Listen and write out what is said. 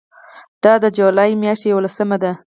دا د جولای میاشتې یوولسمه ده.